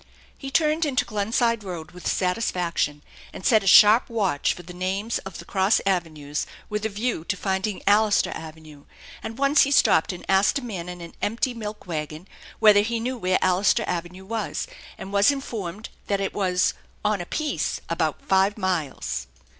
He turned into Glenside Koad with satisfaction, and set a sharp watch for the names of the cross avenues with a view to finding Allister Avenue, and once he stopped and asked a man in an empty milk wagon whether he knew where Allister Avenue was, and was informed that it was " on a piece, about five miles."